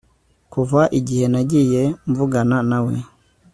kuva igihe nagiye mvugana nawe